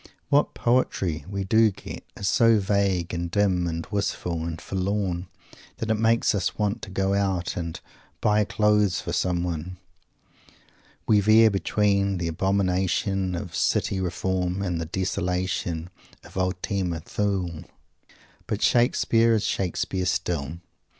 What "poetry" we do get is so vague and dim and wistful and forlorn that it makes us want to go out and "buy clothes" for someone. We veer between the abomination of city reform and the desolation of Ultima Thule. But Shakespeare is Shakespeare still.